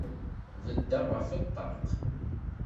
Beddeɣ ɣef ṭṭaq.